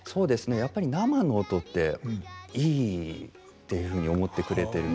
やっぱり生の音っていいっていうふうに思ってくれてるみたいで。